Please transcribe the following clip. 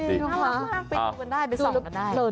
น่ารักมากไปดูกันได้ไปส่องกันได้